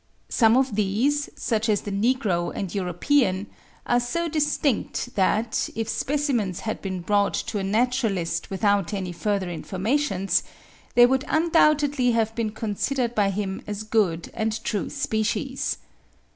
Some of these, such as the Negro and European, are so distinct that, if specimens had been brought to a naturalist without any further information, they would undoubtedly have been considered by him as good and true species.